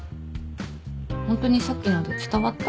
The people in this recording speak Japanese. ホントにさっきので伝わった？